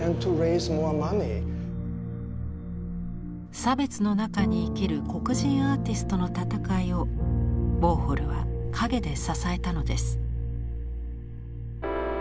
差別の中に生きる黒人アーティストのたたかいをウォーホルは陰で支えたのです。